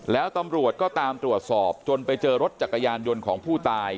แล้วตำรวจก็ตามตรวจสอบจนไปเจอรถจักรยานยนต์ของผู้ตาย